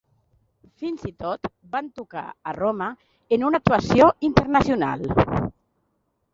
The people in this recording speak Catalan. Fins i tot van tocar a Roma, en una actuació internacional.